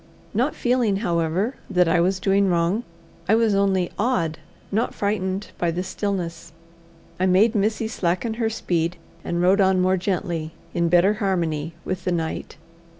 Not feeling, however, that I was doing wrong, I was only awed not frightened by the stillness. I made Missy slacken her speed, and rode on more gently, in better harmony with the night.